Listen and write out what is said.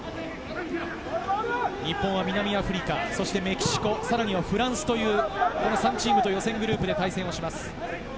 日本は南アフリカ、メキシコ、フランスという３チームと予選グループで対戦します。